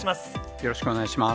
よろしくお願いします。